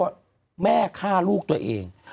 บอกว่าจะไปทำประกันให้ลูกเพราะเห็นว่าลูกตัวเองไม่สบาย